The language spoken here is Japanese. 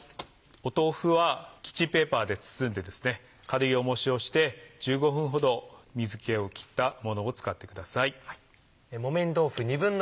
豆腐はキッチンペーパーで包んで軽い重石をして１５分ほど水気を切ったものを使ってください。